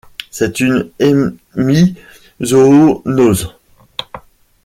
C'est une hémizoonose.